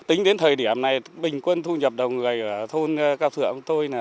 tính đến thời điểm này bình quân thu nhập đồng người ở thôn cao thượng của tôi